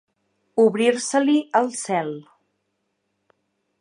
Obrir-se-li el cel.